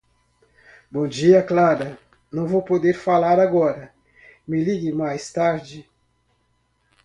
Bom dia Clara, não vou poder falar agora, me ligue mais tarde.